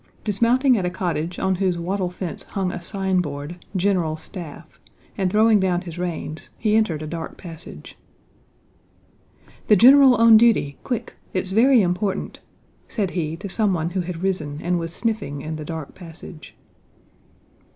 Dismounting at a cottage on whose wattle fence hung a signboard, GENERAL STAFF, and throwing down his reins, he entered a dark passage. "The general on duty, quick! It's very important!" said he to someone who had risen and was sniffing in the dark passage.